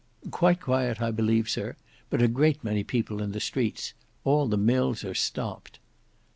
"Quite quiet I believe, Sir; but a great many people in the streets. All the mills are stopped."